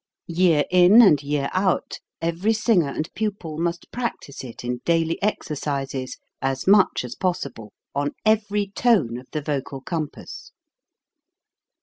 Year in and year out every ginger and pupil must practise it in daily 212 HOW TO SING exercises as much as possible, on every tone of the vocal compass.